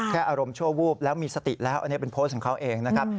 อารมณ์ชั่ววูบแล้วมีสติแล้วอันนี้เป็นโพสต์ของเขาเองนะครับ